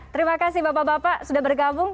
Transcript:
terima kasih bapak bapak sudah bergabung